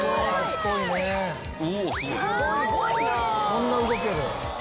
こんな動ける？